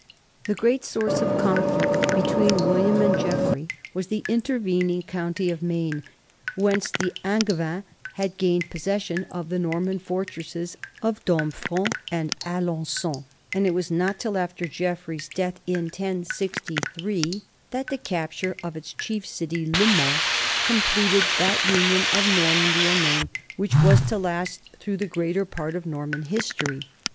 The great source of conflict between William and Geoffrey was the intervening county of Maine, whence the Angevins had gained possession of the Norman fortresses of Domfront and Alencon, and it was not till after Geoffrey's death, in 1063, that the capture of its chief city, LeMans, completed that union of Normandy and Maine which was to last through the greater part of Norman history.